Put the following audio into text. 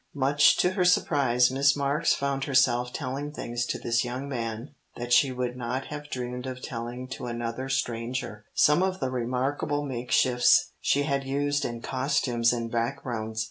Much to her surprise Miss Marks found herself telling things to this young man that she would not have dreamed of telling to another stranger; some of the remarkable makeshifts she had used in costumes and backgrounds.